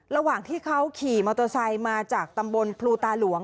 ระหว่างที่เขาขี่มอเตอร์ไซค์มาจากตำบลพลูตาหลวง